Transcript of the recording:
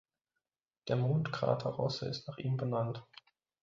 Der Mondkrater Rosse ist nach ihm benannt.